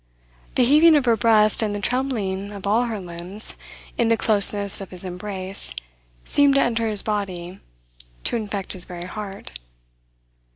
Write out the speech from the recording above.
The heaving of her breast and the trembling of all her limbs, in the closeness of his embrace, seemed to enter his body, to infect his very heart.